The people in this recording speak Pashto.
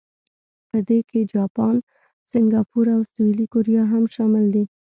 په دې کې جاپان، سنګاپور او سویلي کوریا هم شامل دي.